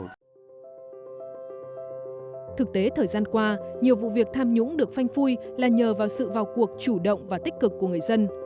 thực tế thời gian qua nhiều vụ việc tham nhũng được phanh phui là nhờ vào sự vào cuộc chủ động và tích cực của người dân